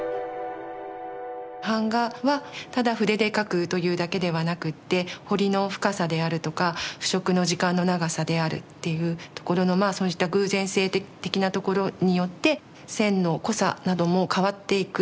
版画はただ筆で描くというだけではなくって彫りの深さであるとか腐食の時間の長さであるっていうところのそうした偶然性的なところによって線の濃さなども変わっていく。